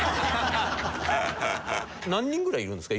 何人ぐらいいるんですか？